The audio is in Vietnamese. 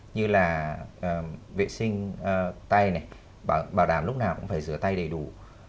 như là vệ sinh tay này bảo đảm lúc nào cũng phải rửa tay đầy đủ